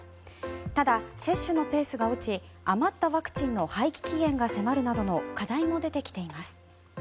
ただ、接種のペースが落ち余ったワクチンの廃棄期限が迫るなどの課題も出てきています。